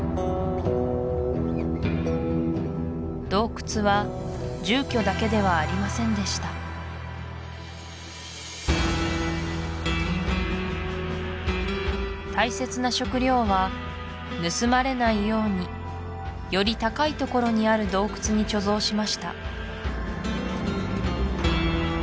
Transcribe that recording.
洞窟は住居だけではありませんでした大切な食料は盗まれないようにより高いところにある洞窟に貯蔵しました